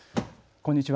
こんにちは。